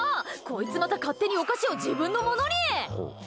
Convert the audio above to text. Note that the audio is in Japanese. こいつ、また勝手にお菓子を自分のものに！